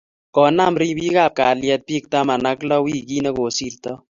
Konan ribik ab kalyet bik taman ak lo wikit nekosirtoi.